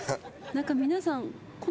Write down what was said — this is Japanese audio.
何か皆さん。